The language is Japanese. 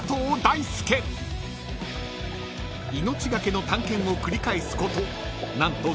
［命懸けの探検を繰り返すこと何と］